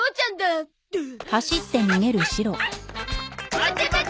待て待て！